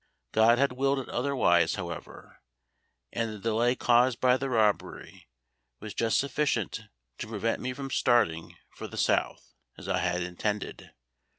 GOD had willed it otherwise, however; and the delay caused by the robbery was just sufficient to prevent me from starting for the South as I had intended.